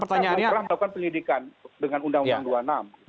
pertanyaannya adalah melakukan pendidikan dengan undang undang dua puluh enam